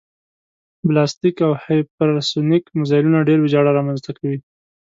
بلاستیک او هیپرسونیک مزایلونه ډېره ویجاړي رامنځته کوي